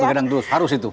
begadang terus harus itu